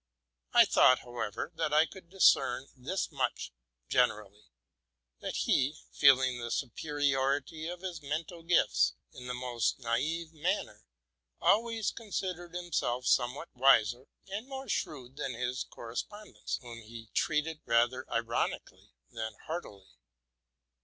I thought, however, that I could discern this much generally, that he, feeling the superiority of his mental gifts, in the most naive manner, always considered himself somewhat wiser and more shrewd than his correspondents, whom he treated rather ironically than heartily.